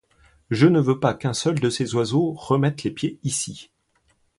Je ne veux pas qu'un seul de ces oiseaux remette les pieds ici.